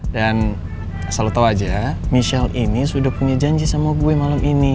dan selalu tau aja ya michelle ini sudah punya janji sama gue malam ini